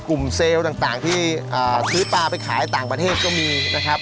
เซลล์ต่างที่ซื้อปลาไปขายต่างประเทศก็มีนะครับ